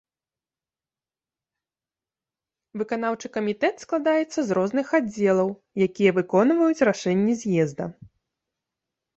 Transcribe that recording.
Выканаўчы камітэт складаецца з розных аддзелаў, якія выконваюць рашэнні з'езда.